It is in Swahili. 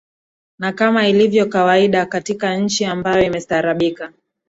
na kama ilivyo kawaida katika nchi ambayo imestarabika